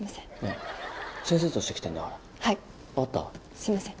すみません。